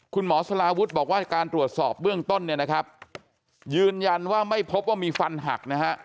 คุณหมอสลาวุธบอกว่าการตรวจสอบเบื้องต้นยืนยันว่าไม่พบว่ามีฟันหัก